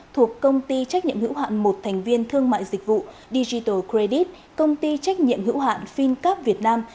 thuộc công ty trách nhiệm hữu hạn một thành viên thương mại dịch vụ digital credit công ty trách nhiệm hữu hạn fincap việt nam